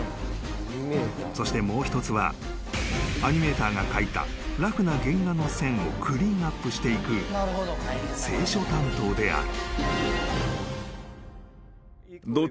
［そしてもう一つはアニメーターが描いたラフな原画の線をクリーンアップしていく清書担当である］